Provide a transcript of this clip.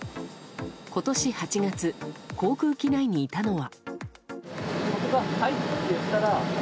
今年８月、航空機内にいたのは。